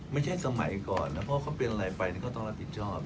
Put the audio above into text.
สมัยก่อนนะเพราะเขาเป็นอะไรไปก็ต้องรับผิดชอบ